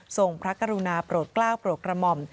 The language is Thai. พระกรุณาโปรดกล้าวโปรดกระหม่อม